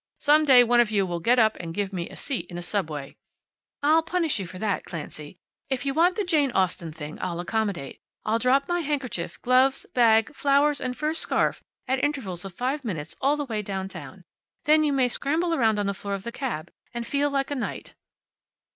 Some day one of you will get up and give me a seat in a subway " "I'll punish you for that, Clancy. If you want the Jane Austen thing I'll accommodate. I'll drop my handkerchief, gloves, bag, flowers and fur scarf at intervals of five minutes all the way downtown. Then you may scramble around on the floor of the cab and feel like a knight."